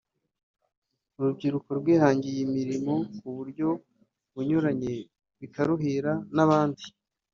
urubyiruko rwihangiye imirimo mu buryo bunyuranye bikaruhira n’abandi